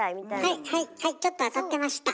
はいはいはいちょっと当たってました！